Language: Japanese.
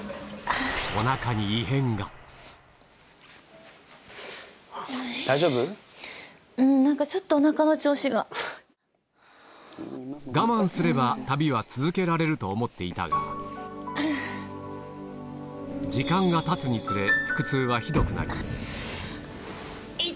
おなかに異変が我慢すれば旅は続けられると思っていたが時間が経つにつれ腹痛はひどくなり痛っ！